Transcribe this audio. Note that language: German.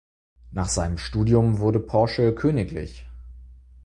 Nach seinem Studium wurde Porsche kgl.